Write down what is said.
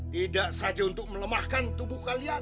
tidak saja untuk melemahkan tubuh kalian